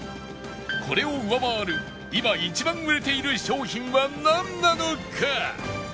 これを上回る今一番売れている商品はなんなのか？